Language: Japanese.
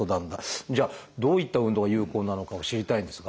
じゃあどういった運動が有効なのかを知りたいんですが。